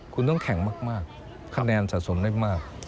คุณต้องแข่งมากคะแนนสะสมได้มาก